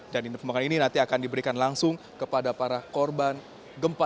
dan sumbangan ini nanti akan diberikan langsung kepada para korban gempa